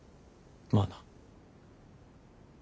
まあな。